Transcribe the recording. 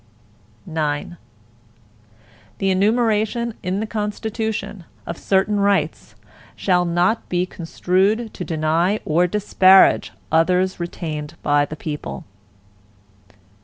IX The enumeration in the Constitution, of certain rights, shall not be construed to deny or disparage others retained by the people.